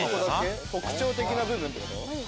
特徴的な部分ってこと？